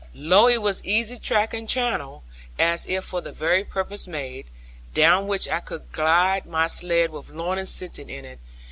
Lo it was easy track and channel, as if for the very purpose made, down which I could guide my sledge with Lorna sitting in it.